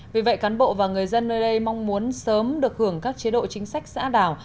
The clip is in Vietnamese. vì vậy cán bộ và người dân nơi đây mong muốn sớm được hưởng các chế độ chính sách xã đảo